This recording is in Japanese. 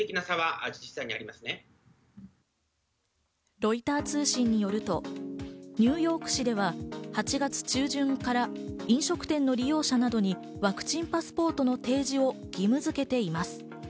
ロイター通信によると、ニューヨーク市では８月中旬から飲食店の利用者などにワクチンパスポートの提示を義務付けています。